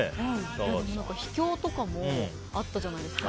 秘境とかあったじゃないですか。